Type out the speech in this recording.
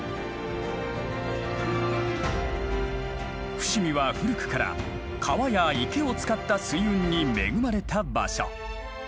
伏見は古くから川や池を使った水運に恵まれた場所。